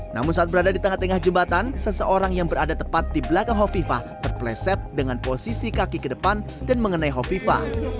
namun saat berada di tengah tengah jembatan seseorang yang berada tepat di belakang hovifah terpleset dengan posisi kaki ke depan dan mengenai hovifa